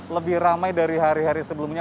lebih ramai dari hari hari sebelumnya